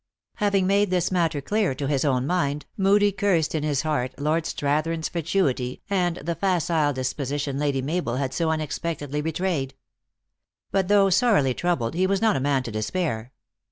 Having made this matter clear to his own mind, Moodie cursed in his heart Lord Strathern s fatuity and the facile disposition Lady Mabel had so unexpectedly betrayed. But, though sorely troubled, he was not a man to despair.